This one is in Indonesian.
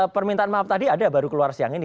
permintaan maaf tadi ada baru keluar siang ini